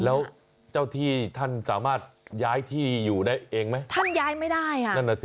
แล้วเจ้าที่ท่านสามารถย้ายที่อยู่ได้เองมั้ย